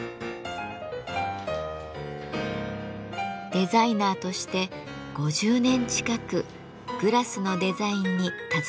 デザイナーとして５０年近くグラスのデザインに携わってきました。